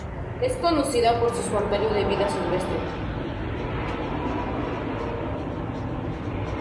Es conocida por su santuario de vida silvestre.